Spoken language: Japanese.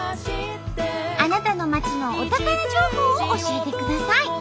あなたの町のお宝情報を教えてください。